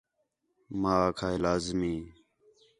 ماں آکھا ہِے لازمی